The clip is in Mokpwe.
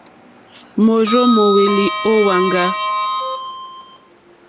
Môrzô móhwélì ó wàŋgá.